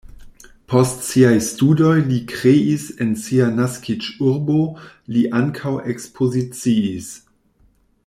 Post siaj studoj li kreis en sia naskiĝurbo, li ankaŭ ekspoziciis.